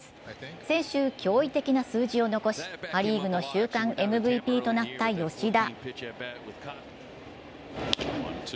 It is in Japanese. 先週、驚異的な数字を残し、パ・リーグの週間ＭＶＰとなった吉田。